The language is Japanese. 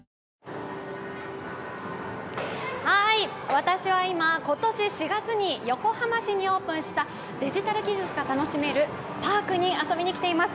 私は今、今年４月に横浜市にオープンしたデジタル技術が楽しめるパークに遊びに来ています。